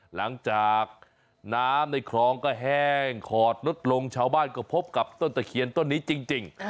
หลังจากน้ำในคลองก็แห้งขอดลดลงชาวบ้านก็พบกับต้นตะเคียนต้นนี้จริง